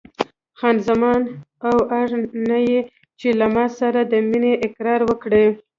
خان زمان: او اړ نه یې چې له ما سره د مینې اقرار وکړې.